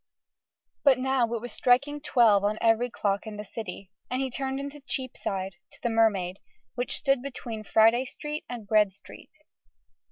But now it was striking twelve on every clock in the City, and he turned into Cheapside to the Mermaid, which stood between Friday Street and Bread Street.